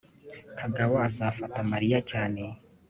kagabo azafata mariya cyane